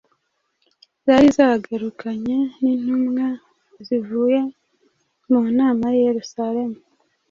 zari zagarukanye n’intumwa zivuye mu nama y’i Yerusalemu.